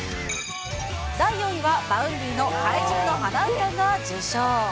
第４位は、Ｖａｕｎｄｙの怪獣の花唄が受賞。